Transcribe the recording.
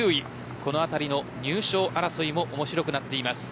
このあたりの入賞争いも面白くなっています。